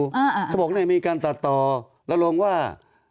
เขาบอกเนี่ยมีการตัดต่อแล้วลงว่า